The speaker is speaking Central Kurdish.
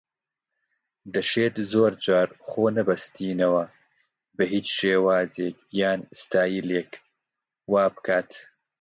دەشێت زۆر جار خۆنەبەستنەوە بە هیچ شێوازێک یان ستایلێک وا بکات